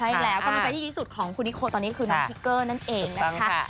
ใช่แล้วกำลังใจที่ดีที่สุดของคุณนิโคตอนนี้คือน้องทิกเกอร์นั่นเองนะคะ